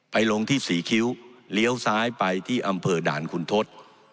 ลงที่ศรีคิ้วเลี้ยวซ้ายไปที่อำเภอด่านคุณทศ